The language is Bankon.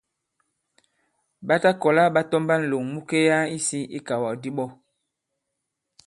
Ɓa ta kɔ̀la ɓa tɔmba ǹlòŋ mu kelyana isī ikàwàkdi ɓɔ.